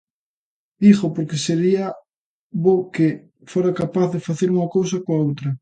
Dígoo porque sería bo que fora capaz de facer unha cousa coa outra.